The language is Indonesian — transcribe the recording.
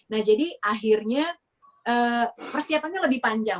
nah jadi akhirnya persiapannya lebih panjang